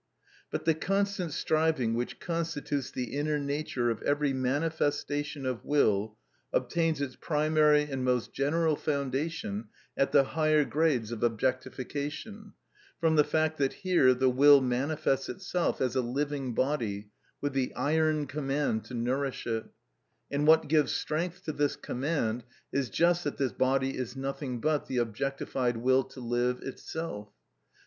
But the constant striving which constitutes the inner nature of every manifestation of will obtains its primary and most general foundation at the higher grades of objectification, from the fact that here the will manifests itself as a living body, with the iron command to nourish it; and what gives strength to this command is just that this body is nothing but the objectified will to live itself.